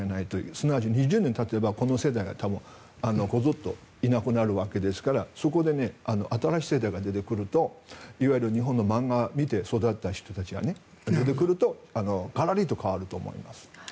すなわち２０年たてばこの世代が多分ごそっといなくなるわけですからそこで新しい世代が出てくるといわゆる日本を漫画を見て育った人たちが出てくるとガラリと変わると思います。